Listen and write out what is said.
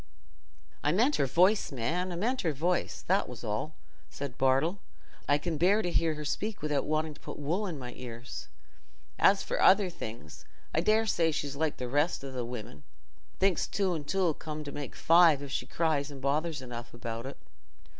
"I meant her voice, man—I meant her voice, that was all," said Bartle. "I can bear to hear her speak without wanting to put wool in my ears. As for other things, I daresay she's like the rest o' the women—thinks two and two 'll come to make five, if she cries and bothers enough about it."